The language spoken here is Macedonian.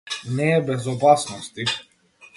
Не е без опасности.